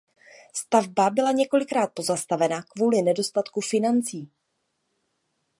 Stavba byla několikrát pozastavena kvůli nedostatku financí.